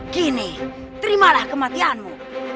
kini terimalah kematianmu